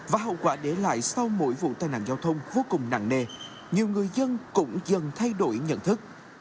và hậu quả để lại sau mỗi vụ tai nạn giao thông vô cùng nặng nề nhiều người dân cũng dần thay đổi nhận thức